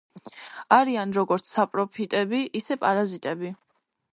არიან როგორც საპროფიტები, ისე პარაზიტები.